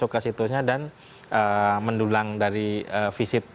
untuk masuk ke situnya dan mendulang dari visit